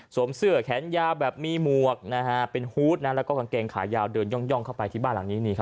เสื้อแขนยาวแบบมีหมวกเป็นฮูตแล้วก็กางเกงขายาวเดินย่องเข้าไปที่บ้านหลังนี้